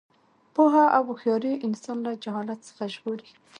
پوهه او هوښیاري انسان له جهالت څخه ژغوري.